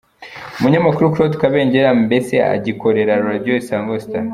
Umunyamakuru Claude Kabengera mbere agikorera Radio Isango Star.